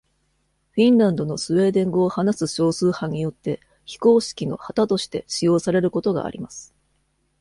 フィンランドのスウェーデン語を話す少数派によって非公式の旗として使用されることがあります。